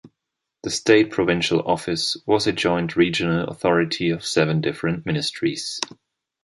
The State Provincial Office was a joint regional authority of seven different ministries.